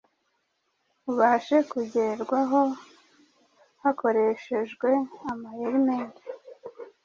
ubashe kugerwaho hakoreshjwe amayeri menshi